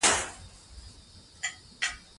زيات کار کړي دی